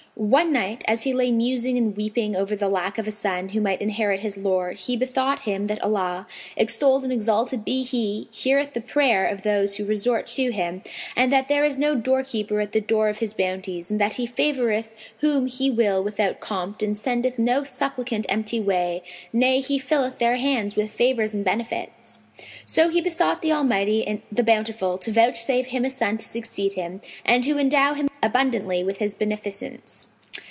One night, as he lay musing and weeping over the lack of a son who might inherit his lore, he bethought him that Allah (extolled and exalted be He!) heareth the prayer of those who resort to Him and that there is no doorkeeper at the door of His bounties and that He favoureth whom He will without compt and sendeth no supplicant empty away; nay He filleth their hands with favours and benefits. So he besought the Almighty, the Bountiful, to vouchsafe him a son to succeed him, and to endow him abundantly with His beneficence.